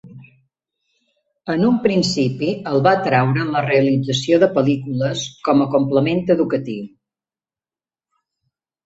En un principi el va atraure la realització de pel·lícules com a complement educatiu.